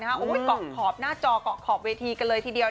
เกาะขอบหน้าจอเกาะขอบเวทีกันเลยทีเดียว